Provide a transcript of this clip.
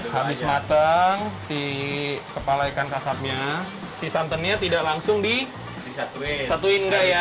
habis mateng si kepala ikan kakapnya si santannya tidak langsung disatuin enggak ya